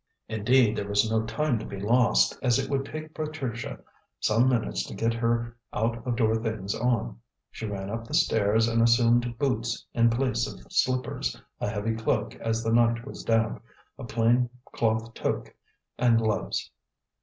Indeed, there was no time to be lost, as it would take Patricia some minutes to get her out of door things on. She ran up the stairs, and assumed boots in place of slippers, a heavy cloak as the night was damp, a plain cloth toque, and gloves.